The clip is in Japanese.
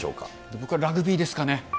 僕はラグビーですかね。